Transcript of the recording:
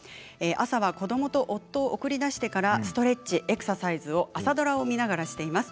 朝は子どもと夫を送り出してからストレッチ、エクササイズを朝ドラを見ながらしています。